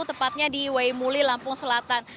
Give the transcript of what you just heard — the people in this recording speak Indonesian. tepatnya di waimuli lampung selatan